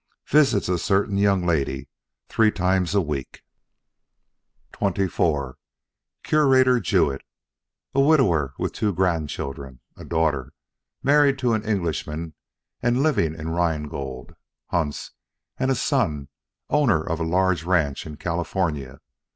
Visits a certain young lady three times a week. XXIV Curator Jewett. A widower with two grandchildren a daughter married to an Englishman and living in Ringold, Hants, and a son, owner of a large ranch in California.